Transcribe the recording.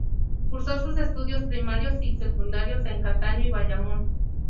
Cursó sus estudios primarios y secundarios en Cataño y Bayamón.